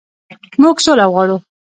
موږ سوله غواړو.